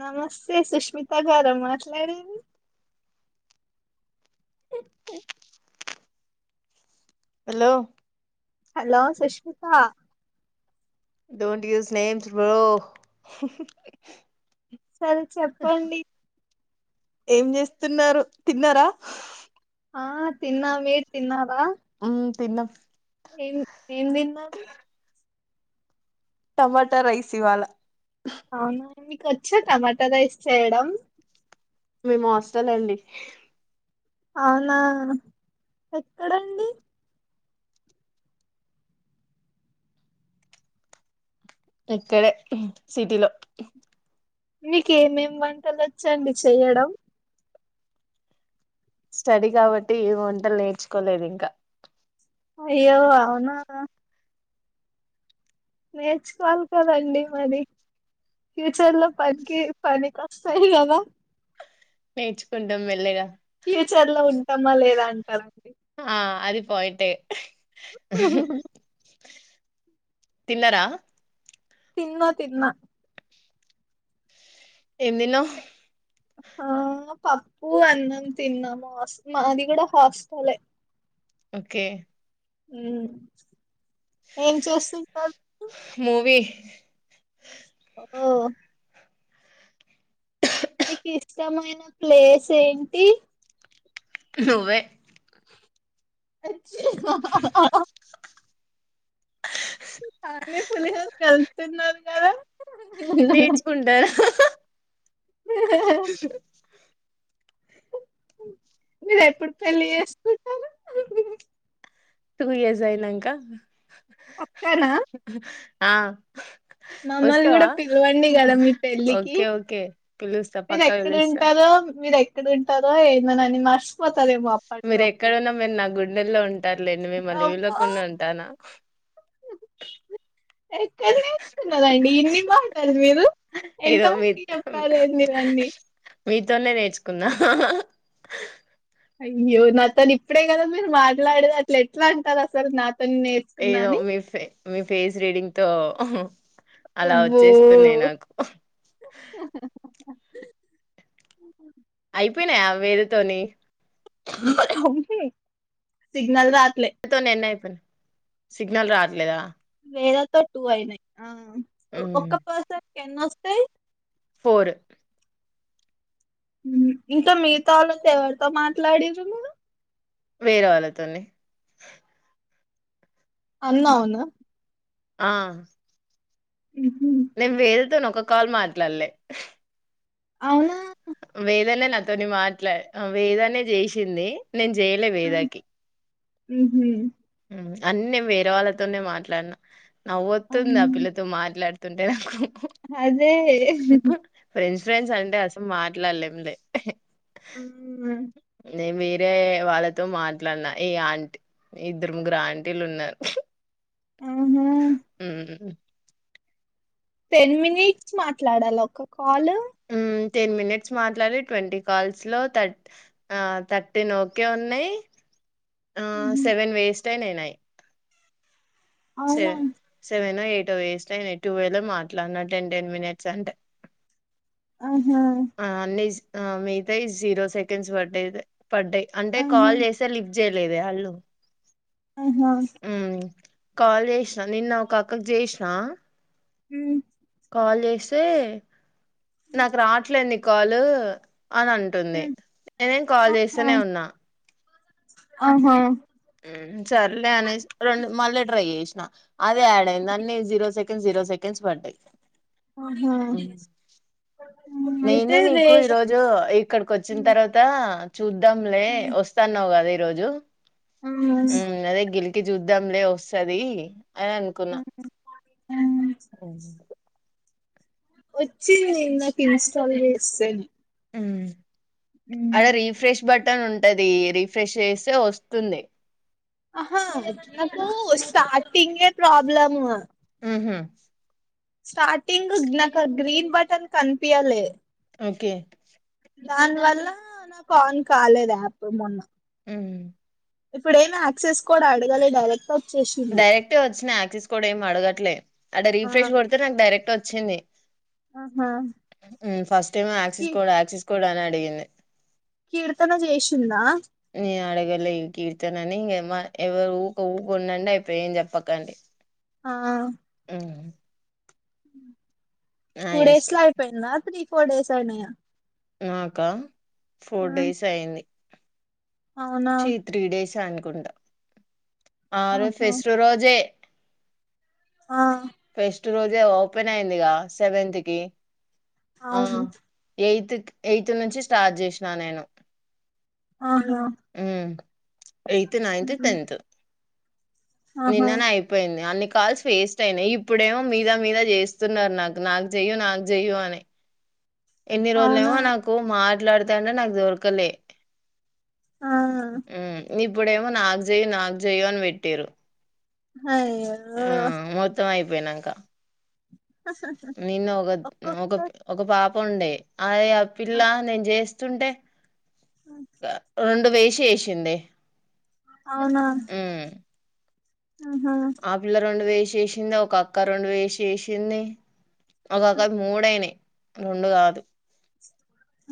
నమస్తే సుష్మిత గారా మాట్లాడేది hello hello Sushmita don't use names bro సరే చెప్పండి ఏం చేస్తున్నారు తిన్నారా ఆ తిన్నా మీరు తిన్నారా మ్మ్ తిన్నం ఏం ఏం తిన్నారు టమాటా రైస్ ఇవాళ అవునా మీకు ఒచ్చా టమాటా రైస్ చేయడం మేము హాస్టల్ అండి అవునా ఎక్కడండి ఇక్కడే సిటీలో మీకేమేమ్ వంటలు ఒచ్చండి చెయ్యడం స్టడీ కాబట్టి ఏ వంటలు నేర్చుకోలేదు ఇంకా అయ్యో అవునా నేర్చుకోవాలి కదండి మరి ఫ్యూచర్ లో పనికి పనికొస్తాయ్ కదా నేర్చుకుంటా మెల్లగా ఫ్యూచర్ లో ఉంటామా లేదా అంటారండి రైటే తిన్నరా తిన్నా తిన్నా ఏం తిన్నవ్ ఆ ఆ పప్పు అన్నం తిన్నా హాస్ మాది కూడా హాస్టలే ఓకే ఏం చేస్తుంటారు మూవీ ఓ మీకు ఇష్టమైన ప్లేస్ ఏంటి నువ్వే అచ్చా, బానే పులిహోర కలుపుతున్నారు కదా నేర్చుకుంటారా మీరెపుడు పెళ్లి చేసుకుం టూ ఇయర్స్ అయినాంక పక్కానా ఆ కూడా వస్తావా పిలవండి కదా మీ పెళ్ళికి ఓకే ఓకే పిలుస్తా మీరు పక్కా ఎక్కడ పిలుస్తా ఉంటారో మీరు ఎక్కడ ఉంటారో ఏమో నన్ను మర్చిపోతారేమో మీరు అప్పట్లోపు ఎక్కడన్నా మీరు నా గుండెల్లో ఉంటారులేండి మేము మలి వళ్లోకుడా అబ్బో ఉంటానా ఎక్కడ ఎకున్నదండి ఇన్ని మాట్లాడదు మీరు ఎంత ఏదో మీ మందికి చెప్పాలదు ఇవన్నీ మీతోనే నేర్చుకుందా అయ్యో నా తను ఇప్పుడే కదా మీరు మాట్లాడేది అట్లా ఎట్లా అంటారు అసలు నా ని ఏదో నేర్చుకున్నాని మీ ఫే మీ ఫేస్ రీడింగ్ తో అలా అబ్బో వచ్చేస్తున్నా నాకు అయిపోయినాయా వేధతోని సిగనల్ రాత్ర తో నన్న అయిపోయిను సిగ్నల్ రావట్లేదా వేలతో టూ అయినాయి ఒక్క పర్సన్ క ఎన్నొస్తాయి ఫోరు ఇంకా మీిగతా వాళ్ళతో ఎవరితో మాట్లాడరు మీరు వేరే వాళ్ళతోనే అన్నా అవును ఆ ఉ నేను వేదతోను ఒక కాల్ మాట్లాడలే అవునా వేదనే నాకు నాతోని మాట్లా వేదానే చేసింది నేను చేయలే వేదాకి ఉ అన్న నేను వేరే వాళ్ళతోనే మాట్లాడిన నవ్వుతుంది ఆ అవునా పిల్లతో మాట్లాడుతుంటే నాకు అదే ఫ్రెండ్స్ ఫ్రెండ్స్ అంటే అసలు మాట్లాడలేంలే అ నేను వరే వాళ్ళతో మాట్లాడిన ఈ ఆంటీ ఇద్దరు ము గ్రా ఆంటీలు ఉన్నారు అవు ఉ టెన్ మినిట్స్ మాట్లాడాలి ఒక కాల్ హ్మ్ టెన్ మినిట్స్ మాట్లాడి ట్వంటీ కాల్స్ లోథ థర్టీన్ ఓకే ఉన్నాయి ఆ సెవెన్ వేస్ట్ అయి నైన్యి అవునా సవన్ సెవెనా ఎయిట్ వేస్టువేల్ మాట్లాడిన టెన్ టెన్ మినిట్స్ అంటే ఆహా ఆ అన్ని మీితోా జీరో సెకండ్స్ బర్డే పడ్డాయి్ అంటే ఆహా కాల్ చేస్తే లిఫ్ట్ చేయలేదు వాళ్ళు ఆహా కాలు చేసినా నిన్న ఒక అక్కకి చేసిన హ కాల్ చేసి నాకు రావట్లేంది కాల్ అని అంటుంది ఉమ్, నేనేం కాల్ ఆహా చేస్తేనే ఉన్నా ఆహా సరలే అనేసి రెండు మళ్ళీ ట్రై చేసిన అదే యాడ్ అయింది దాన్నిీ జీరో సెకండ్ జీరో సెకండ్ బంట ఆహా ఉమ్, నేనే అయితే నీకు లేదు ఈరోోజు ఇక్కడికి వచ్చిన ఉమ్, తర్వాత చూద్దాంలే వస్తాన్నావు కదా ఈరోోజు ఆ కి చూద్దాంలే వస్తుది అని అనుకున్నా ఆ, ఉమ్. వచ్చి నే నాకు ఇన్స్టాల్ చేస్తాను అడ రీఫ్రెష్ బటన్ ఉంటది రిఫ్రెష్ చేస్తే వస్తుంది హా నాకు స్టార్టింగ్ ప్రాబ్లమ్ ఆహ స్టార్టింగ్ నాకు గ్రీన్ బటన్ కనిపియాలే ఓకే దాని వల్ల నాకు ఆన్ కాలేదు యాప్ మొన్న మ్మ్ ఇప్పుడ ఏమమి క్సెస్ కోడ్ ఆడగాలి డైరెక్ట్ వచ్చేసింది డైరెక్టే వచ్చినా యాక్సిస్ కూడా ఏమి అడగట్లే అదే ఆ రీఫ్రెష్ కొడితే నాకు డైరెక్ట్ వచ్చింది ఆహా first time key access code access code అని అడిగింది కీర్తన చేసిందా న అడగల్ ఇ కీర్తన నీ ఎవరు ఊక ఊక ఉండండి అయిపో ఏం చెప్పకండి ఆ మ్మ్ టూ డేస్ లో ఇష్టం అయిపోయిందా త్రీ ఫోర్ డేస్ అయినాయా నాక ఫోర్ ఆ డేస్ అయింది అవునా శీ త్రీ డేస్ అనుకుంట ఆరు ఆహా ఫెస్ రోజే ఆ రోజ ఓపెన్ అయింది క సెవెంత్ కి అవును ఎయిట్ ఎయిత్ నుంచి స్టార్ట్ చేసినా నేను ఆహా ఎయిత్ నైన్త్ ఉమ్, టెన్త్ ఆహా నిన్ననే అయిపోయింది అన్ని కాల్స్ వేస్ట్ అయినాయి ఇప్పుడేమో మీద మీద చేస్తున్నారు నాకు నాకు చెయ్య నాకు చెయ్య అని ఎన్ని రోజులు అవునా ఏమో నాకు మాట్లాడితేంటే నాకు దొరకలే ఆ ఇప్పుడేమో నాకు చెయ్య నాకు చెయ్య అని పెట్టారు అయ్యో ఆ మొత్తం అయిపోయినాక నిన్న ఒక ఒక ఒక్కొక్క ఒక పాప ఉండే ఆ ఆ పిల్ల నేను చేస్త వస్తుంటే రెండు వేసి వేసింది అవునా ఆహా ఆపిల్ల రెండు వేసిసింది ఒక అక్క రెండు వేసి చేసింది ఒకొక్క మూడయినాయి రెండు కాదు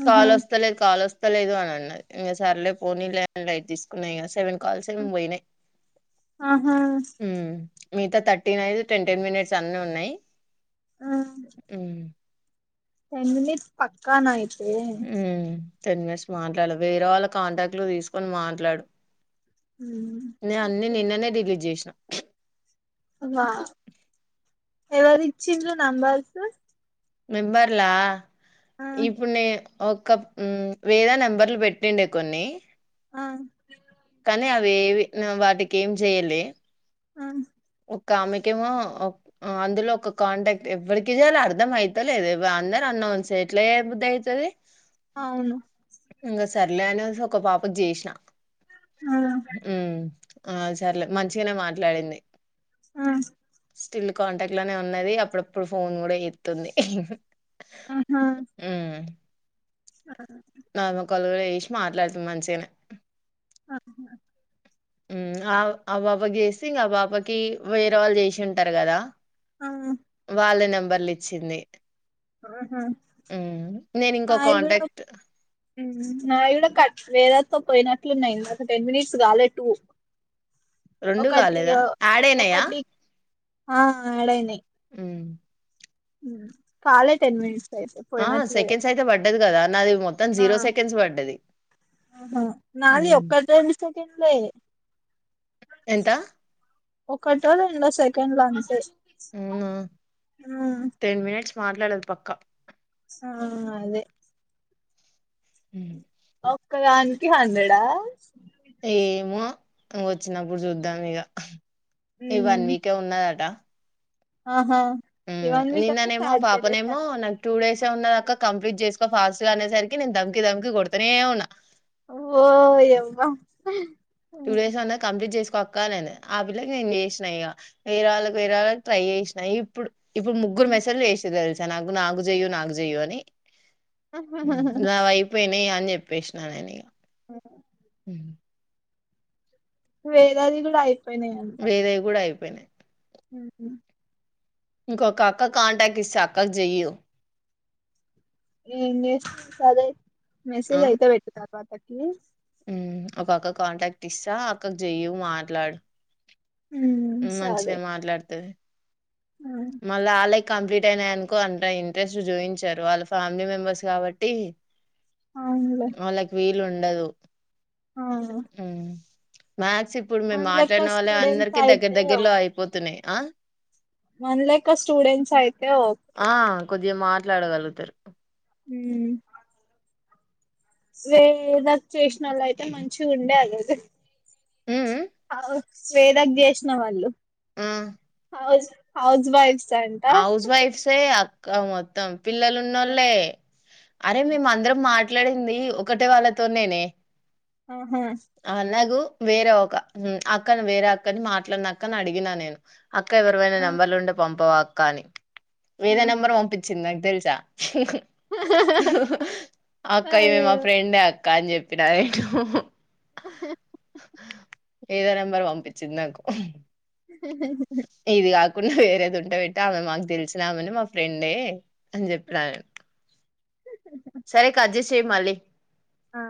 ఆహా కాలు వస్తాలేదు కాలు వస్త చెప్పలేదు అని అన్నారు ఇంక సార్లే పోనీ ల్యాండ్లైట్ తీసుకున్నా ఇక సెవెన్ కాల్స ముంబైనే ఆహా మిగతా థర్టీన్ అఐదు టెన్ టెన్ మినిట్స్ అన్ని ఉన్నాయి ఆ టెన్ మనిట్ పక్కన ఐతే ఉమ్ టెన్ మినిట్స్ మాట్లాడు వేరే వాళ్ళ కాంటాక్ట్లు తీసుకొని మాట్లాడు ఉమ్, నే అన్ని నిన్ననే రిలీజ్ చేసినా వా ఎవర ఇచ్చిండ్రు నంబర్స్ మెంబర్లా ఆ ఇప్పుడు న ఒ వేదా నెంబర్లు పెట్టిండే కొన్ని ఆ కానీ అవి ఏవి వాటికి ఏం చేయాలే ఆ ఒ ఆమెకేమో అందులో ఒక కాంటాక్ట్ ఎవరికి చేల అర్థం అయితేలేద అందరు నాన్సె ఎట్ల అయబుద్తది అవును సర్లేనే అనే సి ఒక పాప కి చేసిన ఆ ఆ సరలే మంచిగానే మాట్లాడింది ఆ స్టిల్ కాంటాక్ట్ లోనే ఉన్నది అప్పుడప్పుడు ఫోన్ కూడా చేత్తుంది ఆహా ఆ నలమ కలుగులు వేసి మాట్లాడుతుం మంచిగానే ఔనా ఆ ఆ బాబా చేస్తే ఇంకా ఆ బాబాకి వేరే వాళ్ళు చేసి ఉంటారు కదా ఆ వాళ్ళ నంబర్లు ఇచ్చింది ఉమ్ నేను ఇంకో హాయి కూడా కాంటాక్ట్ నావి కూడా కట్ వేదతో పోయినట్లున్నాయి ఒక టెన్ మినిట్స్ కాలె ట్టు రెండు ఒకటి కాలేదా యాడ్ అయినయా ఒకటి ఆ అడైనాయి హ కాలే టెన్ మినిట్స్ అయితే ఆ పోయినట్లేదు సెకండ్స్ అయితే పడ్డది కదా నాది మొత్తం ఆ జీరో సెకండ్స్ పడ్డది ఆహా నాది హ్మ్. ఒక్కటే మిస్టేక్ తినలే ఎంత ఒకటో రెండో సెకండ్ లో అంతే అవునా హమ్ టెన్ మినిట్స్ మాట్లాడదు పక్క ఆ అదే ఒక్కదనికి హండ్రెడ్ ఆ ఏమో వచ్చినప్పుడు చూద్దాం ఇగ ఈ వన్ ఉమ్ వీక్ కే ఉన్నదట ఆహా ఈ వన్ వీక్ అంటే నిన్ననేమో సాటర్డే పాపనేమో సండే నాకు టూ డేస్ ఉన్నాదా అక్క కంప్లీట్ చేసుకో ఫాస్ట్ గా అనేసరికి నేను దమ్కి దమ్కి కొడుతనే ఉన్నా ఓ ఏమ్ వ టూ డేస్ అన్నా కంప్లీట్ చేసి కొక్కాలని ఆ పిల్ల నేను చేసినాయి ఇగ వేరే వాళ్ళకి వేరే వాళ్ళకి ట్రై చేసినాయి ఇప్పుడు ఇప్పుడు ముగ్గురు మెసళ్లు చేస తెలుసా నాకు నాకు చెయ్య నాకు చెయ్య అని వెనేయాన్ చెప్పసిన ఇగ వేదది కూడా అయి వేరేవి కూడా అయిపోయినాయి ఉ ఇంకోక అక్క కాంటాక్ట్ ఇస్తా అక్కకి చెయ్యు ఏం చేస్తా సరే ఆ మెసేజ్ అయితే పెట్టు తా తర్వాత ప్లీజ్ ఒక అక్కకు కాంటాక్ట్ ఇస్తా అక్కకి చెయ్య మాట్లాడు ఉమ్, సరే మంచిదే మాట్లాడుతాది ఉమ్, మళ అలక్ కంప్లీట్ అయినానుకో అంత ఇంట్రెస్ట్ జోయించారు వాళ్ళ ఫ్యామిలీ మెంబర్స్ కాబట్టి అవునులే వాళ్ళకి వీలు ఉండదు ఆ. మ్యాథ్స్ ఇప్పుడు మన మేము లెక్క మాట్లాడిన వాళ్ళ స్టూడెంట్స్ అందరికి దగ్గర అయితే దగ్గర్లో అయిపోతున్నాయి మన్ లక స్టూడెంట్స్ అయితే ఓకే ఆ కొద్దిగా మాట్లాడగలుగుతారు హ వేద చేసిన వాళ్ళు అయితే మంచి ఉండే అలాద ఉమ్ అవ్ స్వేదక్ జేస్న వాళ్ళు ఆ హౌస్ హౌజ్ వైఫ్స్ అంట హౌజ్ వైఫ్సే అక్క మొత్తం పిల్లలున్నోళ్ళే అరే మేము అందరం మాట్లాడింది ఒకటే వాళ్ళతోనేనే ఆహా అలాగూ వేరే ఒక మ్మ్ ప్చ్ అక్కను వేరే అక్కని మాట్లాడిన అక్కని అడిగినా నేను అక్క ఎవరివైనా ఆ నెంబర్లు ఉంటే పంపవా అక్క అని ఆ వేరే నెంబర్ పంపిచ్చింది నాకు తెలుసా అక్క ఈమె మా అయ్యో ఫ్రెండ్ అక్కా అని జెప్పిన [unintelligible] ఏదో నెంబర్ పంపించ్చింది నాకు కుండా వేరేది ఉంటే పెట్టి ఆమె మాకు తెలిసినామెనే మా ఫ్రెండే అని చెప్పినా నేను సరే కర్జేస్ చేయ్ మళ్ళీ ఆ